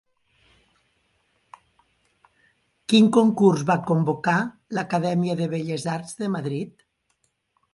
Quin concurs va convocar l'Acadèmia de Belles Arts de Madrid?